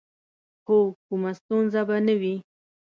هو، کومه ستونزه به نه وي.